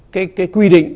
cái quy định